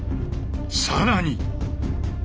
更に！